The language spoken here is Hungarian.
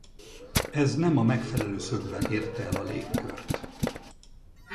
Ez nem a megfelelő szögben érte el a légkört.